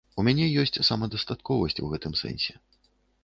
У мяне ёсць самадастатковасць у гэтым сэнсе.